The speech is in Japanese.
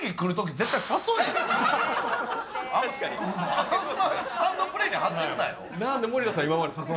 あんまりスタンドプレーに走るなよ。